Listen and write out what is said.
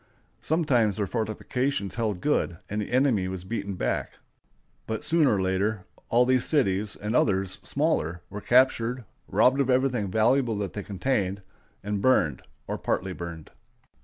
Sometimes their fortifications held good, and the enemy was beaten back; but sooner or later all these cities, and others, smaller, were captured, robbed of everything valuable that they contained, and burned or partly burned.